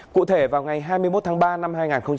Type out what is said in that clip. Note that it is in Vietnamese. cụ thể vào ngày hai mươi một tháng ba năm hai nghìn hai mươi